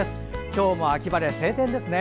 今日も秋晴れ、晴天ですね。